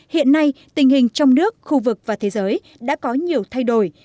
hiện nay tình hình trong nước khu vực và thế giới đã có nhiều thay đổi